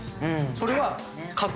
それは。